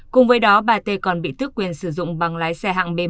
cùng với đó bà t còn bị tước quyền sử dụng bằng lái xe hạng b một